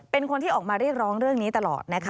เป็นคนที่ออกมาเรียกร้องเรื่องนี้ตลอดนะคะ